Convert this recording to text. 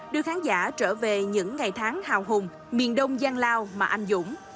đưa khán giả trở về những ngày tháng hào hùng miền đông gian lao mà anh dũng